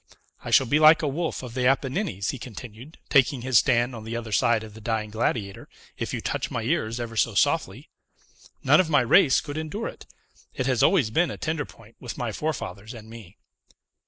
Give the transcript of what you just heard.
"I shall be like a wolf of the Apennines," he continued, taking his stand on the other side of the Dying Gladiator, "if you touch my ears ever so softly. None of my race could endure it. It has always been a tender point with my forefathers and me."